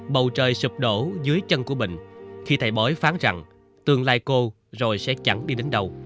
bầu trời sụp đổ dưới chân của bình khi thầy bói phán rằng tương lai cô rồi sẽ chẳng đi đến đâu